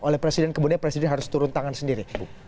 oleh presiden kemudian presiden harus turun tangan sendiri